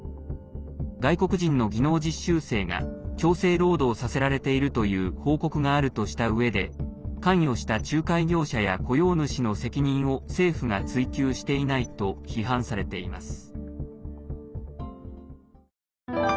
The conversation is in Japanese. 外国人の技能実習生が強制労働させられているという報告があるとしたうえで関与した仲介業者や雇用主の責任を政府が追及していないと批判されています。